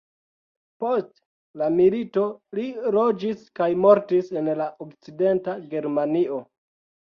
Post la milito li loĝis kaj mortis en la okcidenta Germanio.